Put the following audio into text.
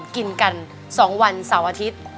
กินกัน๒วันเสาร์อาทิตย์